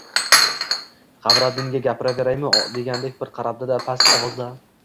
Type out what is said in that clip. Qamariddinga “gapiraveraymi”, degandek bir qarab oldi-da, past ovozda: